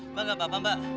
mbak gak apa apa mbak